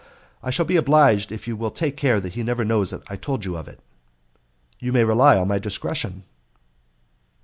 I shall be obliged if you will take care that he never knows I told you of it." "You may rely on my discretion."